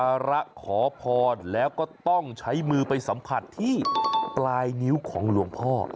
ระขอพรแล้วก็ต้องใช้มือไปสัมผัสที่ปลายนิ้วของหลวงพ่อ